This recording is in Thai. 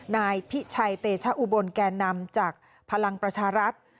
นายพิชัยเตชะอุบลแก่นำจากพลังประชารัฐ